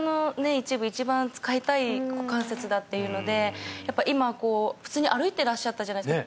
一部一番使いたい股関節だっていうのでやっぱ今こう普通に歩いてらっしゃったじゃないですか